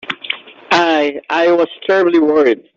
I—I was terribly worried.